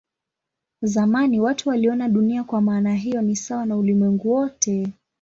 Zamani watu waliona Dunia kwa maana hiyo ni sawa na ulimwengu wote.